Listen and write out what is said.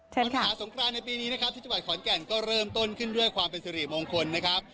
มหาสงครานในปีนี้นะครับที่จังหวัดขอนแก่นก็เริ่มต้นขึ้นด้วยความเป็นสิริมงคลนะครับ